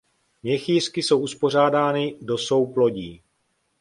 Měchýřky jsou uspořádány do souplodí.